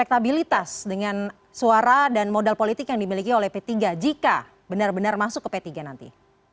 elektabilitas dengan suara dan modal politik yang dimiliki oleh p tiga jika benar benar masuk ke p tiga nanti